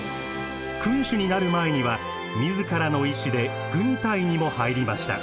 君主になる前には自らの意志で軍隊にも入りました。